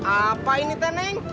apa ini teneng